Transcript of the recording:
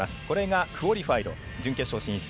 これがクオリファイド。